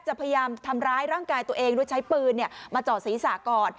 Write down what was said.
พยายามทำร้ายร่างกายตัวเองโดยใช้ปืนมาเจาะศีรษะก่อน